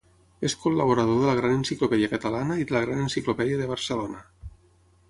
És col·laborador de la Gran Enciclopèdia Catalana i de la Gran Enciclopèdia de Barcelona.